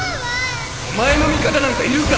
お前の味方なんかいるか！